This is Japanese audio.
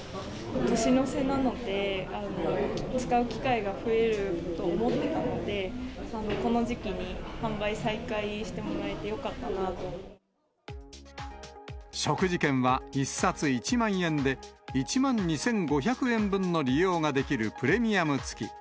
年の瀬なので、使う機会が増えると思ってたので、この時期に販売再開してもらえて食事券は１冊１万円で、１万２５００円分の利用ができるプレミアム付き。